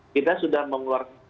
kita sudah mengeluarkan